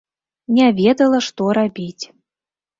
Не ведала, што рабіць.